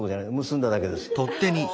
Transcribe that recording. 結んだだけです。